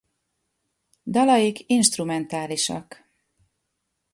Dalaik instrumentálisak.